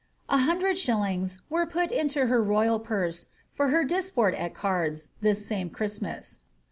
A hundred shillings were put into her royal purse for her ^'disport at eirds'' this same Christmas.